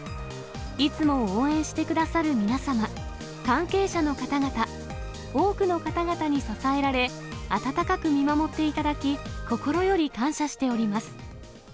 いつも応援してくださる皆様、関係者の方々、多くの方々に支えられ、温かく見守っていただき、心より感謝しております。